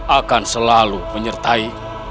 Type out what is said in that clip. akan selalu menyertai